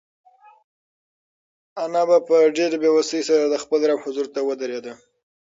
انا په ډېرې بېوسۍ سره د خپل رب حضور ته ودرېده.